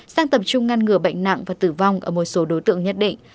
sang tập trung ngăn ngừa bệnh nặng và tử vong ở một số đối tượng nhất định